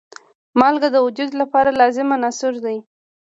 مالګه د وجود لپاره لازم عنصر دی.